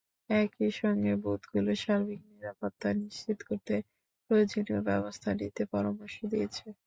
একই সঙ্গে বুথগুলোর সার্বিক নিরাপত্তা নিশ্চিত করতে প্রয়োজনীয় ব্যবস্থা নিতে পরামর্শ দিয়েছে।